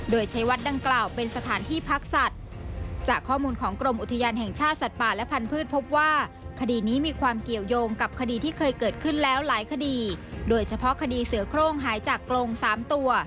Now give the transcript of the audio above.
โดยเฉพาะคดีเสื้อโครงหายจากกลง๓ตัว